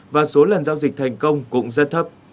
và số lần giao dịch thành công cũng rất thấp